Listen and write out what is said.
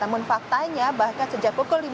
namun faktanya bahkan sejak pukul lima belas